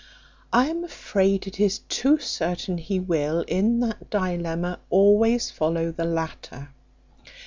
I am afraid it is too certain he will, in that dilemma, always follow the latter.